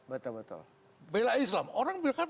belai islam orang bilang kan